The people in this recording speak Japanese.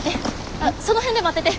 あっその辺で待ってて。